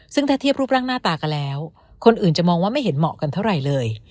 ซึ่งถ้าเทียบรูปร่างหน้าตากันแล้วคนอื่นจะมองว่าไม่เห็นเหมาะกันเท่าไหร่เลย